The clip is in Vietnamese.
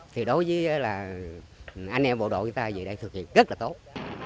thì đối với là anh em bộ đội người ta vì đây thực hiện rất là tốt